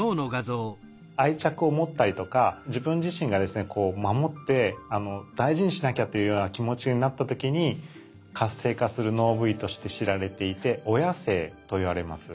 愛着を持ったりとか自分自身がですね守って大事にしなきゃというような気持ちになった時に活性化する脳部位として知られていて「親性」といわれます。